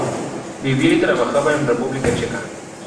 Vivía y trabajaba en República Checa.